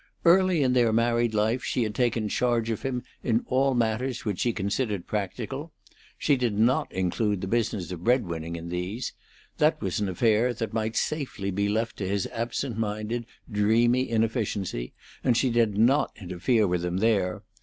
Early in their married life she had taken charge of him in all matters which she considered practical. She did not include the business of bread winning in these; that was an affair that might safely be left to his absent minded, dreamy inefficiency, and she did not interfere with him there.